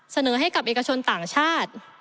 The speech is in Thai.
เสนอให้กับเอกชนต่างชาติ